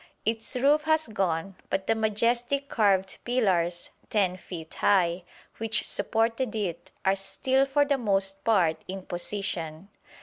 Its roof has gone, but the majestic carved pillars, 10 feet high, which supported it are still for the most part in position.